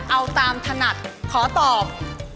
เอาตามถนัดขอตอบ